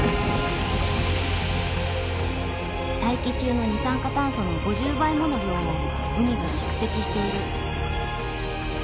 大気中の二酸化炭素の５０倍もの量を海が蓄積している。